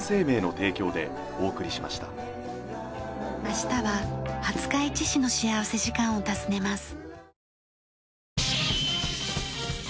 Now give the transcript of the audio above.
明日は廿日市市の幸福時間を訪ねます。